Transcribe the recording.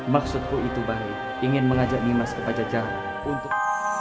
maksudku itu baik ingin mengajak nimas ke bajajara untuk